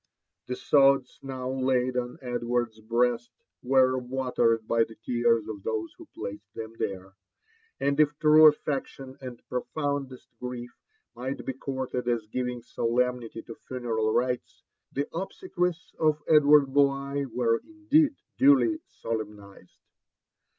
The sods now laid on Edward's breast were watered by the tears of those who placed them there ; and if true affection and profoundest grief might be courted as giving solemnity to funeral rights, the obse quies of Edward Bligh were indeed, duly solemnised.